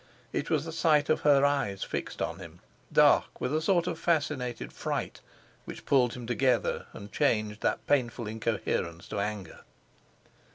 It was the sight of her eyes fixed on him, dark with a sort of fascinated fright, which pulled him together and changed that painful incoherence to anger.